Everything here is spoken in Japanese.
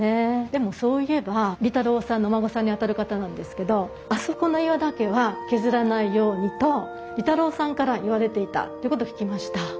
でもそういえば利太郎さんのお孫さんにあたる方なんですけど「あそこの岩だけは削らないように」と利太郎さんから言われていたってこと聞きました。